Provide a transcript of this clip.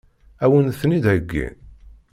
Ad wen-ten-id-heggin?